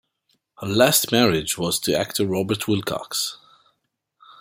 Her last marriage was to actor Robert Wilcox.